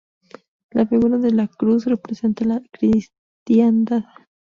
La figura de la Cruz representa la cristiandad.